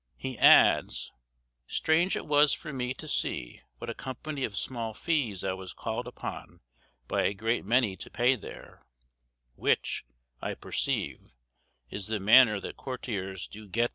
He adds, "Strange it was for me to see what a company of small fees I was called upon by a great many to pay there, which, I perceive, is the manner that courtiers do get their estates."